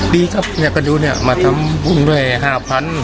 ดีครับอยากกระดูกเนี่ยมาทำบุญแห่๕๐๐๐บาท